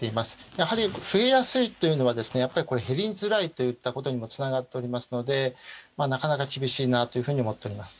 やはり増えやすいというのは減りづらいということにもつながっておりますのでなかなか厳しいなと思っております。